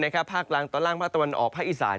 ภาคกลางตอนล่างภาคตะวันออกภาคอีสาน